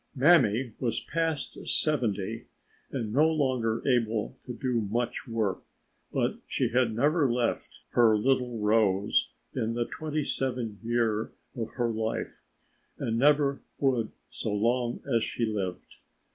Mammy was past seventy and no longer able to do much work, but she had never left her "little Rose" in the twenty seven year of her life and never would so long as she lived.